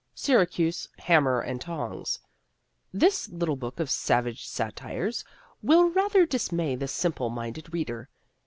Syracuse Hammer and Tongs: This little book of savage satires will rather dismay the simple minded reader.